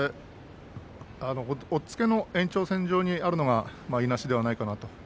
押っつけの延長線上にあるのがいなしではないかなと。